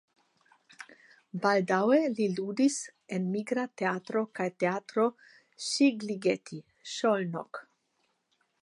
Baldaŭe li ludis en migra teatro kaj Teatro Szigligeti (Szolnok).